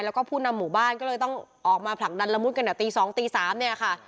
แล้วก็ผู้นำหมู่บ้านก็เลยต้องออกมาผลักดันละมุดกันตี๒ตี๓เนี่ยค่ะ